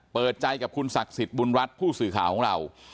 เปิดใจกับคุณศักดิ์สิทธิ์บุญรัฐผู้สื่อข่าวของเรา